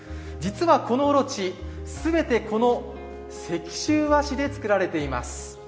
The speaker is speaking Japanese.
実はこのおろちすべてこの石州和紙で作られています。